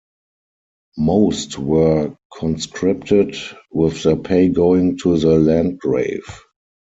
Most were conscripted, with their pay going to the Landgrave.